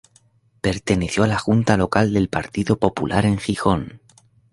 Perteneció a la Junta Local del Partido Popular en Gijón.